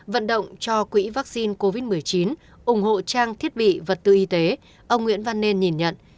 vận động cho quỹ vaccine covid một mươi chín ủng hộ trang thiết bị vật tư y tế ông nguyễn văn nên nhìn nhận